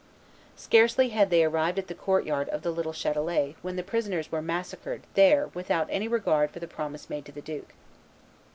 Scarcely had they arrived at the court yard of the little Chatelet when the prisoners were massacred there without any regard for the promise made to the duke.